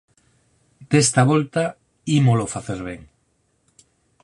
Desta volta, ímolo facer ben